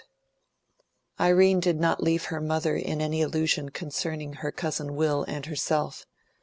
IRENE did not leave her mother in any illusion concerning her cousin Will and herself.